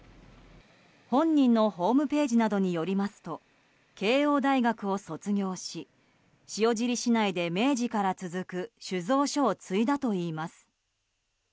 本人のホームページなどによりますと慶應大学を卒業し塩尻市内で明治から続く酒造所を継いだといいます。